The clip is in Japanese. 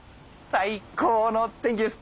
最高の天気です。